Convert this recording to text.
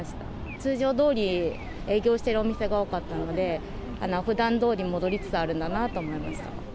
通常どおり営業しているお店が多かったので、ふだんどおり戻りつつあるんだなと思いました。